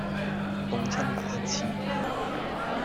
凍親打乞嗤